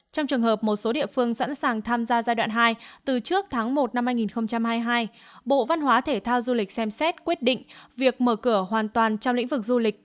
trong trường hợp một số địa phương sẵn sàng tham gia giai đoạn hai từ trước tháng một năm hai nghìn hai mươi hai bộ văn hóa thể thao du lịch xem xét quyết định việc mở cửa hoàn toàn trong lĩnh vực du lịch